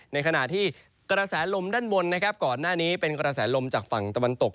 ในขณะที่กระแสลมด้านบนนะครับก่อนหน้านี้เป็นกระแสลมจากฝั่งตะวันตก